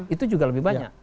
itu juga lebih banyak